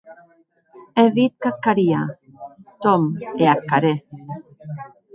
È dit qu'ac haria, Tom, e ac harè.